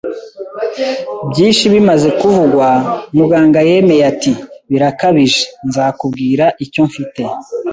byinshi bimaze kuvugwa. ” Muganga yemeye ati: “Birakabije.” “Nzakubwira icyo mfite